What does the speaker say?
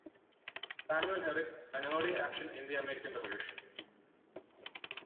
Samuel Herrick, an early action in the American Revolution.